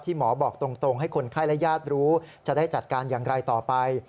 หมอบอกตรงให้คนไข้และญาติรู้จะได้จัดการอย่างไรต่อไป